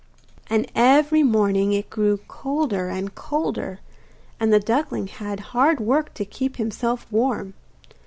And every morning it grew colder and colder, and the duckling had hard work to keep himself warm.